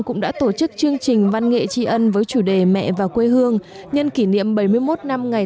cũng đã tổ chức chương trình văn nghệ tri ân với chủ đề mẹ và quê hương nhân kỷ niệm bảy mươi một năm ngày